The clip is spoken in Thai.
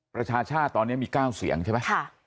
ประชาชาติตอนนี้มี๙เสียงใช่ไหม